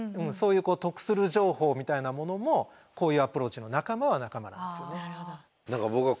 そういう得する情報みたいなものもこういうアプローチの仲間は仲間なんですよね。